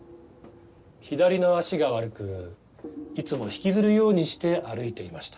左の足が悪くいつも引きずるようにして歩いていました。